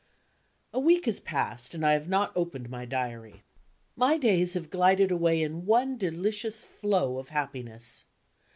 A week has passed, and I have not opened my Diary. My days have glided away in one delicious flow of happiness.